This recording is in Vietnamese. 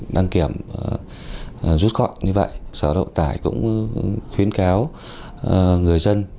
đăng kiểm rút gọn như vậy sở động tải cũng khuyến cáo người dân